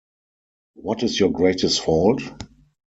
What is your greatest fault?